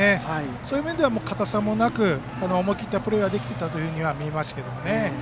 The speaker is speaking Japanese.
そういう面では硬さもなく思い切ったプレーができていたというふうに見えましたね。